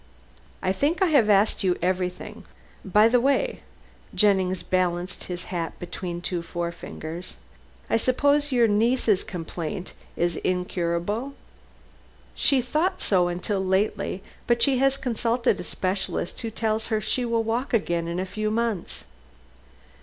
"I think I have asked you everything. By the why," Jennings balanced his hat between two forefingers, "I suppose your niece's complaint is incurable?" "She thought so until lately. But she has consulted a specialist, who tells her she will walk again in a few months."